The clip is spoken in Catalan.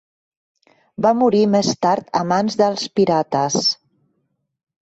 Va morir més tard a mans dels pirates.